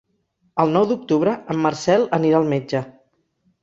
El nou d'octubre en Marcel anirà al metge.